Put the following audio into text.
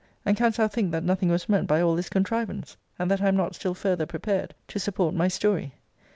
And canst thou think that nothing was meant by all this contrivance? and that I am not still further prepared to support my story?